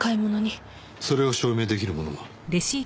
それを証明出来るものは？